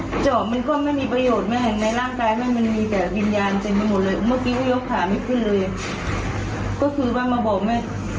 เมื่อกี้ก็ยกขาไม่ขึ้นเลยก็คือว่ามาบอกแม่ตรงตรงเลยว่า